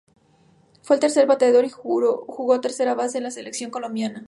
Fue el tercer bateador y jugó tercera base en la selección colombiana.